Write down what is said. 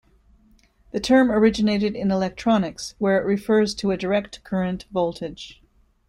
The term originated in electronics, where it refers to a direct current voltage.